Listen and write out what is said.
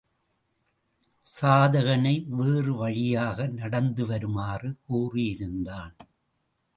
சாதகனை வேறு வழியாக நடந்து வருமாறு கூறியிருந்தான்.